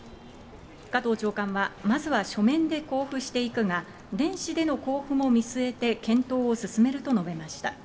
加藤長官は、まずは書面で交付していくが、電子での交付も見据えて検討を進めると述べました。